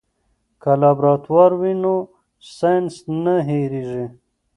که لابراتوار وي نو ساینس نه هېریږي.